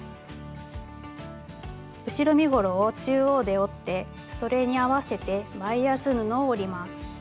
後ろ身ごろを中央で折ってそれに合わせてバイアス布を折ります。